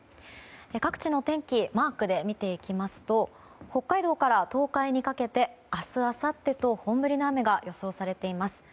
各地のお天気マークで見ていきますと北海道から東海にかけて明日あさってと本降りの雨が予想されています。